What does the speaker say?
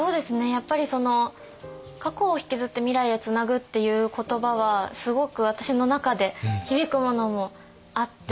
やっぱりその過去をひきずって未来へつなぐっていう言葉はすごく私の中で響くものもあって。